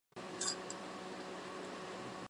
逸悦也困在地牢中而溺毙。